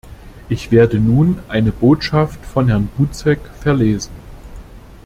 Ich werde nun eine Botschaft von Herrn Buzek verlesen.